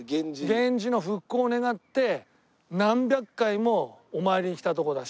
源氏の復興を願って何百回もお参りに来たとこだし。